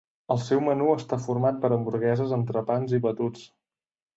El seu menú està format per hamburgueses, entrepans i batuts.